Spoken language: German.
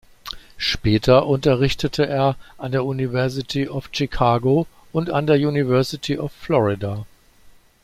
Später unterrichtete er an der University of Chicago und an der University of Florida.